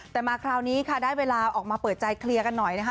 แต่มาคราวนี้ค่ะได้เวลาออกมาเปิดใจเคลียร์กันหน่อยนะคะ